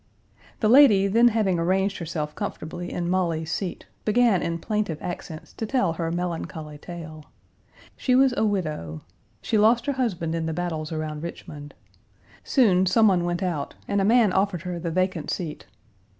The lady then having arranged herself comfortably in Molly's seat began in plaintive accents to tell her melancholy tale. She was a widow. She lost her husband in the battles around Richmond. Soon some one went out and a man offered her the vacant seat.